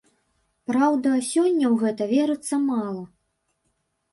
Праўда, сёння ў гэта верыцца мала.